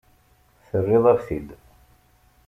Terriḍ-aɣ-t-id.